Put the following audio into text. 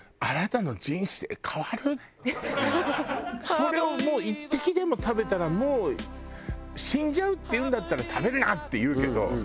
それをもう１滴でも食べたら死んじゃうっていうんだったら「食べるな！」って言うけど。